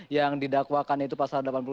yang didakwakan itu pasal delapan puluh delapan